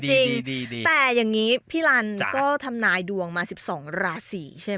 จบสวยค่ะจริงแต่พี่รันก็ทำนายดวงมา๑๒ราศีใช่ไหม